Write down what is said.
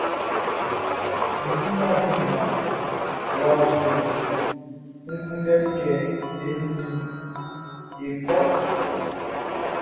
Mi si wʼa dun mmua wʼa ɔ fieʼn nun N kunndɛli kɛ e nin i é kɔ́.